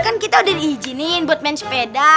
kan kita udah diizinin buat main sepeda